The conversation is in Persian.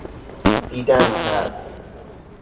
دیدن کرد